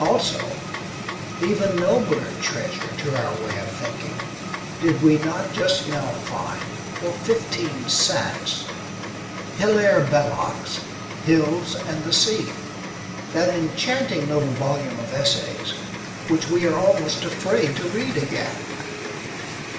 Also, even nobler treasure to our way of thinking, did we not just now find (for fifteen cents) Hilaire Belloc's "Hills and the Sea," that enchanting little volume of essays, which we are almost afraid to read again.